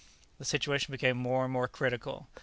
The situation became more and more critical.